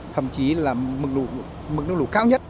thậm chí là mực nước lũ cao nhất